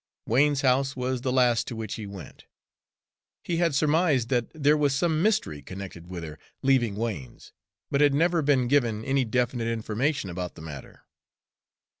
Wain's house was the last to which he went. He had surmised that there was some mystery connected with her leaving Wain's, but had never been given any definite information about the matter.